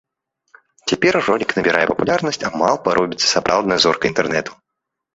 Цяпер ролік набірае папулярнасць, а малпа робіцца сапраўднай зоркай інтэрнету.